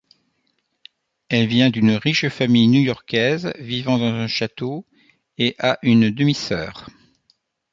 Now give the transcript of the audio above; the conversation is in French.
Elle vient d'une riche famille new-yorkaise vivant dans un château et a une demi-sœur.